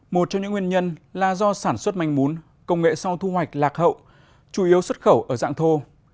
một trong những nguyên nhân là do sản xuất manh mún công nghệ sau thu hoạch lạc hậu chủ yếu xuất khẩu ở dạng thô